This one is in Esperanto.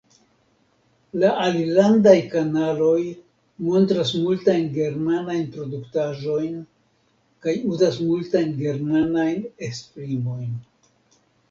La alilandaj kanaloj montras multajn germanajn produktaĵojn kaj uzas multajn germanajn esprimojn.